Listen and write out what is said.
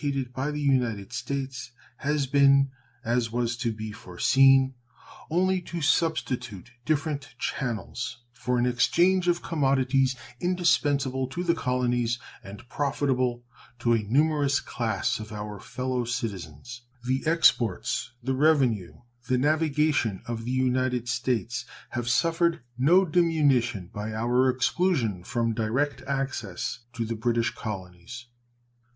The effect of the interdiction of direct trade, commenced by Great Britain and reciprocated by the United States, has been, as was to be foreseen, only to substitute different channels for an exchange of commodities indispensable to the colonies and profitable to a numerous class of our fellow citizens. The exports, the revenue, the navigation of the United States have suffered no diminution by our exclusion from direct access to the British colonies.